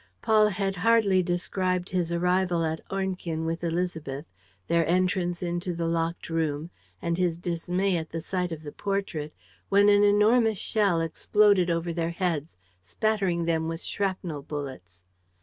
Paul had hardly described his arrival at Ornequin with Élisabeth, their entrance into the locked room and his dismay at the sight of the portrait, when an enormous shell exploded over their heads, spattering them with shrapnel bullets.